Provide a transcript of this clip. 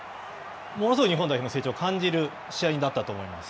ものすごい日本代表の成長を感じる試合になったと思います。